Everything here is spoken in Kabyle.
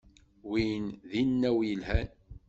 Win d inaw yelhan.